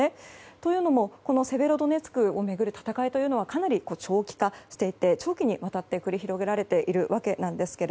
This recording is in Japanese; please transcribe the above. というのもセベロドネツクを巡る戦いというのはかなり長期化していて長期にわたって繰り広げられているわけです。